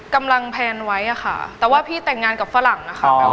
แพลนไว้อะค่ะแต่ว่าพี่แต่งงานกับฝรั่งนะคะ